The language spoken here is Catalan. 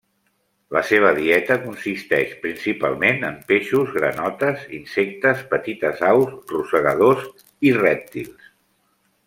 La seva dieta consisteix principalment en peixos, granotes, insectes, petites aus, rosegadors i rèptils.